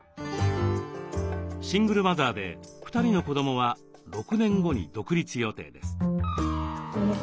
シングルマザーで２人の子どもは６年後に独立予定です。